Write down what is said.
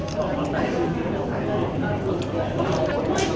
ขอบคุณหนึ่งนะคะขอบคุณหนึ่งนะคะ